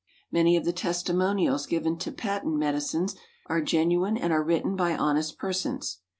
Many of the testimonials given to patent medicines are genuine and are written by honest persons.